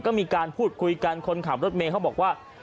ก็มีการพูดคุยกันคนขับรถเมย์เขาบอกว่า